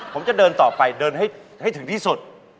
ผมจะเดินต่อไปเดินให้ถึงที่สุด